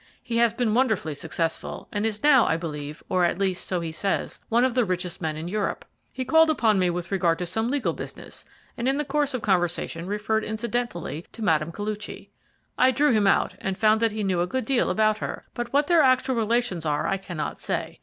He has been wonderfully successful, and is now, I believe or, at least, so he says one of the richest men in Europe. He called upon me with regard to some legal business, and in the course of conversation referred incidentally to Mme. Koluchy. I drew him out, and found that he knew a good deal about her, but what their actual relations are I cannot say.